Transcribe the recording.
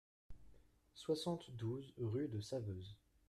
soixante-douze rue de Saveuse